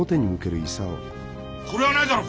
これはないだろ！